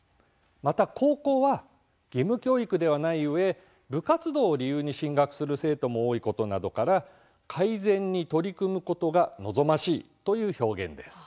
また、高校は義務教育ではないうえ部活動を理由に進学する生徒も多いことなどから改善に取り組むことが望ましいという表現です。